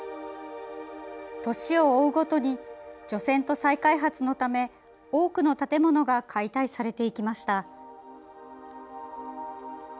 年を追うごとに除染と再開発のため多くの建物が解体されていきました。